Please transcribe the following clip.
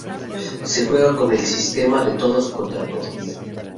Se juega con el sistema de todos contra todos.